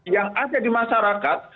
yang ada di masyarakat